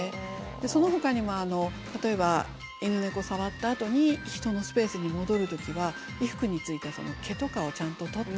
そのほかにも例えば犬猫触ったあとに人のスペースに戻る時は衣服についた毛とかをちゃんと取って。